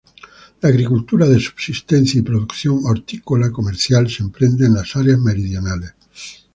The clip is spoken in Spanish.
La agricultura de subsistencia y producción hortícola comercial se emprende en las áreas meridionales.